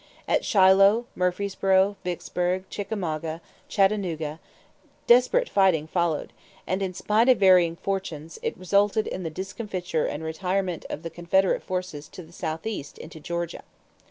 At Shiloh, Murfreesboro, Vicksburg, Chickamauga, Chattanooga, desperate fighting followed and, in spite of varying fortunes, it resulted in the discomfiture and retirement of Confederate forces to the Southeast into Georgia.